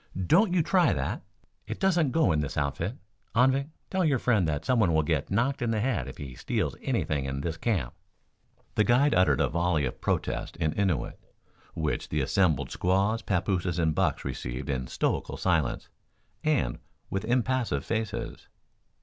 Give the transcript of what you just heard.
"Don't you try that! It doesn't go in this outfit. Anvik, tell your friend that someone will get knocked in the head if he steals anything in this camp." The guide uttered a volley of protest in Innuit, which the assembled squaws, papooses and bucks received in stoical silence, and with impassive faces.